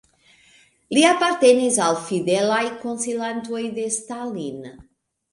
Li apartenis al fidelaj konsilantoj de Stalin.